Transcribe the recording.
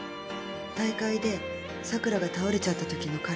大会で桜が倒れちゃったときの彼。